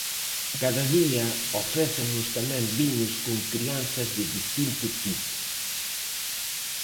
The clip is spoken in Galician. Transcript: Cada día ofrécennos tamén viños con crianzas de distinto tipo.